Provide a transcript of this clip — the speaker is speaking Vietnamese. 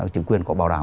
trứng quyền có bảo đảm